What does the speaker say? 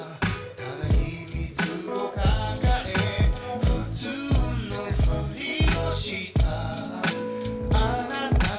「ただ秘密を抱え」「普通のふりをしたあなたと」